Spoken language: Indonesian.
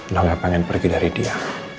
lo gak pengen pergi dari dia